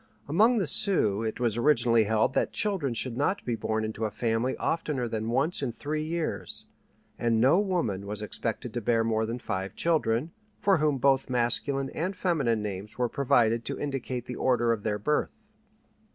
Among the Sioux it was originally held that children should not be born into a family oftener than once in three years, and no woman was expected to bear more than five children, for whom both masculine and feminine names were provided to indicate the order of their birth.